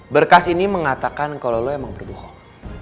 berkas ini mengatakan kalau lo emang berbohong